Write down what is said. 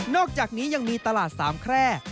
อกจากนี้ยังมีตลาดสามแคร่